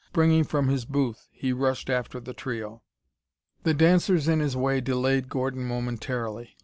Springing from his booth, he rushed after the trio. The dancers in his way delayed Gordon momentarily.